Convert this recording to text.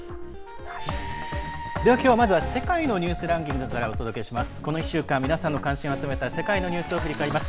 きょうはまずは「世界のニュースランキング」からお届けします。